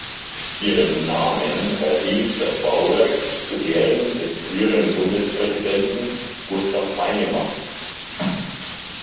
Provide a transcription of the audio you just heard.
Ihren Namen erhielt das Bauwerk zu Ehren des früheren Bundespräsidenten Gustav Heinemann.